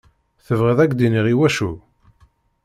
Tebɣiḍ ad k-d-iniɣ iwacu?